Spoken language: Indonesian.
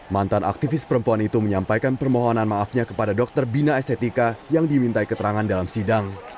mantan aktivis perempuan itu menyampaikan permohonan maafnya kepada dokter bina estetika yang dimintai keterangan dalam sidang